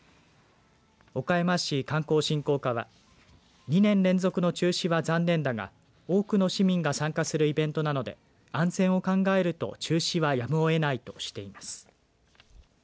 岡山市観光振興課は２年連続の中止は残念だが多くの市民が参加するイベントなので安全を考えると中止はやむをえないとしています。